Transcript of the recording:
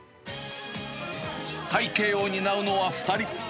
背景を担うのは２人。